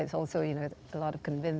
ketika anda mengatakan pendidikan